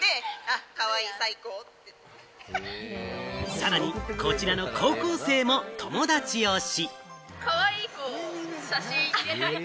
さらに、こちらの高校生も友達推し。